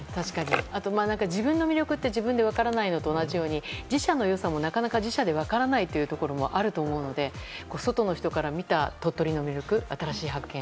あと、自分の魅力が自分で分からないのと同じように自社の良さもなかなか自社で分からないところもあると思うので外の人から見た鳥取の魅力、新しい発見